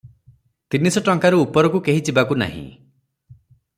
ତିନିଶ ଟଙ୍କାରୁ ଉପରକୁ କେହି ଯିବାକୁ ନାହିଁ ।